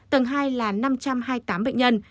tầng hai là năm trăm hai mươi tám bệnh nhân